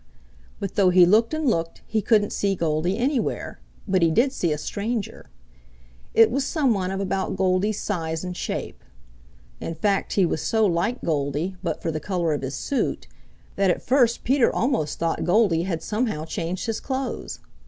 But though he looked and looked he couldn't see Goldy anywhere, but he did see a stranger. It was some one of about Goldy's size and shape. In fact he was so like Goldy, but for the color of his suit, that at first Peter almost thought Goldy had somehow changed his clothes.